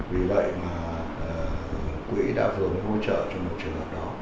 vì vậy mà quỹ đã vừa mới hỗ trợ cho một trường hợp đó